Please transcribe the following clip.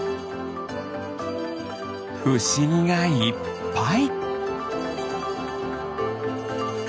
ふしぎがいっぱい。